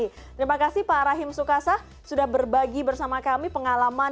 terima kasih pak rahim sukasa sudah berbagi bersama kami pengalaman